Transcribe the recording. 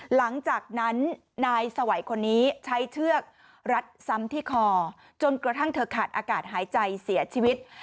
หลังจากนั้นนายสวัยคนนี้ใช้เชือกรัดซ้ำที่คอจนกระทั่งเธอขาดอากาศหายใจเสียชีวิต